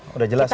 sudah jelas ya